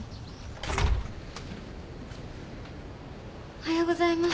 おはようございます。